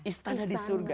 istana di surga